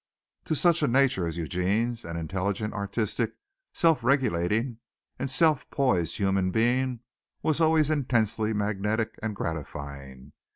To such a nature as Eugene's, an intelligent, artistic, self regulating and self poised human being was always intensely magnetic and gratifying.